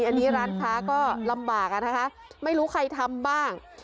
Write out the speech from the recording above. อันนี้ร้านค้าก็ลำบากอะนะคะไม่รู้ใครทำบ้าง